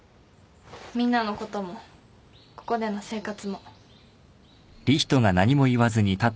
みんなのこともここでの生活も。